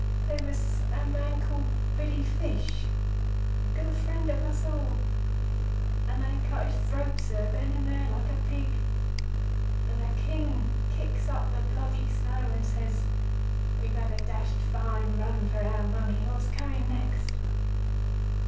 There was a man called Billy Fish, a good friend of us all, and they cut his throat, Sir, then and there, like a pig; and the King kicks up the bloody snow and says:—'We've had a dashed fine run for our money. What's coming next?